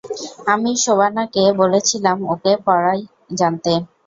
আমিই শোবানাকে বলেছিলাম ওকে পড়ায় আনতে।